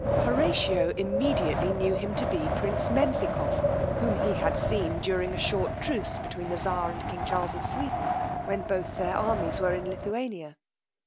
Horatio immediately knew him to be prince Menzikoff, whom he had seen during a short truce between the czar and king Charles of Sweden, when both their armies were in Lithuania.